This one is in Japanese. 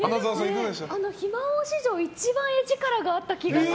暇王史上一番画力があった気がする。